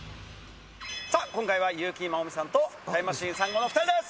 さあ、今回は優木まおみさんとタイムマシーン３号のお２人です。